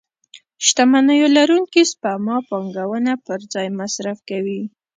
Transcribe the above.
شتمنيو لرونکي سپما پانګونه پر ځای مصرف کوي.